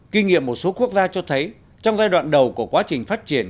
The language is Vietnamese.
kinh nghiệm một số quốc gia cho thấy trong giai đoạn đầu của quá trình phát triển